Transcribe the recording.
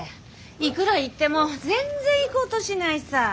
いくら言っても全然行こうとしないさぁ。